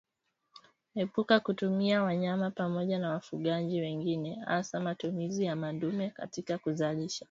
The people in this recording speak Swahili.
Epuka kutumia wanyama pamoja na wafugaji wengine hasa matumizi ya madume katika kuzalisha